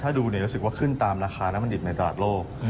ถ้าดูรู้สึกว่าขึ้นตามราคาน้ำมันดิบในตลาดโลก